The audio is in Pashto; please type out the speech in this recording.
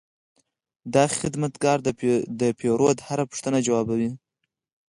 دا خدمتګر د پیرود هره پوښتنه ځوابوي.